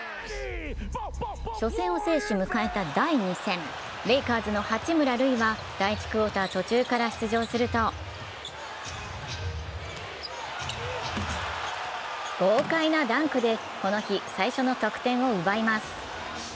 初戦を制し、迎えた第２戦レイカーズの八村塁は第１クオーター途中から出場すると豪快なダンクでこの日、最初の得点を奪います。